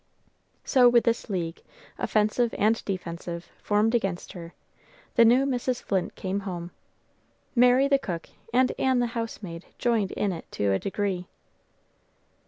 So with this league, offensive and defensive, formed against her, the new Mrs. Flint came home. Mary the cook and Ann the housemaid joined in it to a degree.